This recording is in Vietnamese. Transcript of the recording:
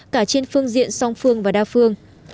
cả trên phương diện song phương và đa phương